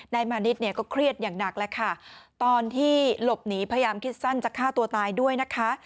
มานิดเนี่ยก็เครียดอย่างหนักแล้วค่ะตอนที่หลบหนีพยายามคิดสั้นจะฆ่าตัวตายด้วยนะคะ